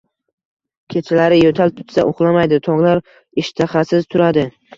Kechalari yo'tal tutsa, uxlatmaydi. Tonglar ishtaxasiz turadi.